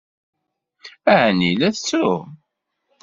Ɛni la tettrum?